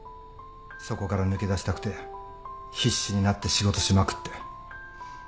そこから抜け出したくて必死になって仕事しまくって。